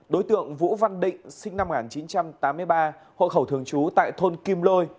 đối tượng vũ văn định sinh năm một nghìn chín trăm tám mươi ba hộ khẩu thường trú tại thôn kim lôi